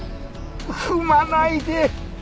踏まないで！